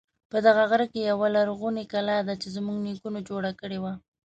په دې غره کې یوه لرغونی کلا ده چې زمونږ نیکونو جوړه کړی و